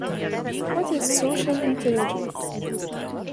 What is social intelligence?